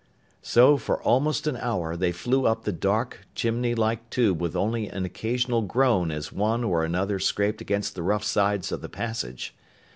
So for almost an hour, they flew up the dark, chimney like tube with only an occasional groan as one or another scraped against the rough sides of the passage.